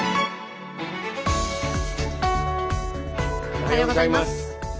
おはようございます。